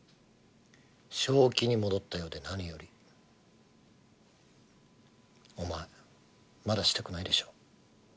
正気に戻ったようで何よりお前まだしたくないでしょ